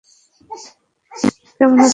কেমন আছো, বাবা?